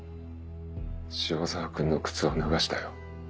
塩澤君の靴を脱がせたよ。